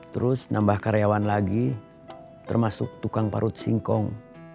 terus nambah karyawan lagi termasuk tukang parut singkong